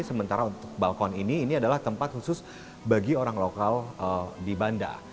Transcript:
sementara untuk balkon ini ini adalah tempat khusus bagi orang lokal di banda